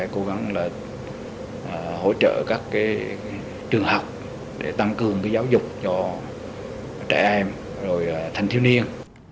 cố gắng hỗ trợ các trường học để tăng cương giáo dục cho trẻ em thành thiếu niên